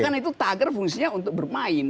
karena itu tagar fungsinya untuk bermain